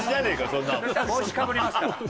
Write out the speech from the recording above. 帽子かぶりますから。